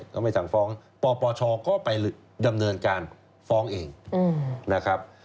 ก็ไม่สั่งฟ้องปปชก็ไปดำเนินการฟ้องเองนะครับ